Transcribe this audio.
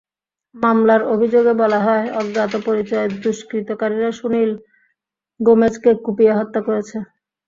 মামলার অভিযোগে বলা হয়, অজ্ঞাতপরিচয় দুষ্কৃতকারীরা সুনীল গোমেজকে কুপিয়ে হত্যা করেছে।